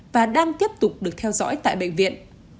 và đang tiếp tục được theo dõi tại bệnh viện